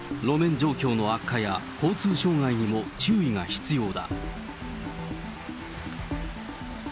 路面状況の悪化や交通障害にも注意が必要だ。